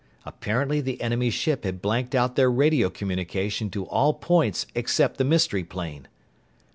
Apparently the enemy ship had blanked out their radio communication to all points except the mystery plane.